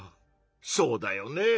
そうだよね。